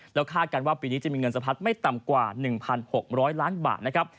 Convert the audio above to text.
แล้วคาดกันว่าปีนี้จะมีเงินสะพัดไม่ต่ำกว่า๑๖๐๐ล้านบาทนะครับ